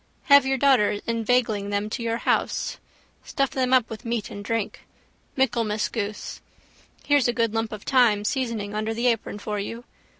Have your daughters inveigling them to your house. Stuff them up with meat and drink. Michaelmas goose. Here's a good lump of thyme seasoning under the apron for you.